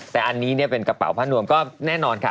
แต่อันนี้เป็นกระเป๋าผ้านวมก็แน่นอนค่ะ